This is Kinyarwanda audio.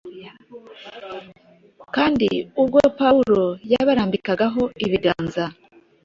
kandi ubwo Pawulo ” yabarambikagaho ibiganza,”